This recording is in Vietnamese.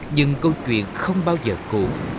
nhưng câu chuyện không bao giờ cũ